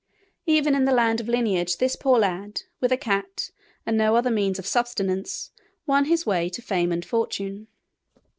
Even in the land of lineage this poor lad, with a cat and no other means of subsistence, won his way to fame and fortune.